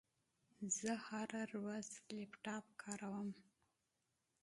زه هره ورځ لپټاپ کاروم.